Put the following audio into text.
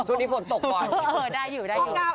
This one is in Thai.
ช่วงนี้ฝนตกก่อน